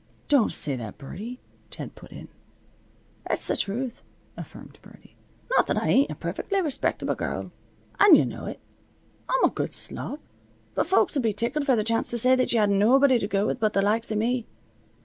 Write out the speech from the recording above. "Don't say that, Birdie," Ted put in. "It's the truth," affirmed Birdie. "Not that I ain't a perfec'ly respectable girrul, and ye know it. I'm a good slob, but folks would be tickled for the chance to say that you had nobody to go with but the likes av me.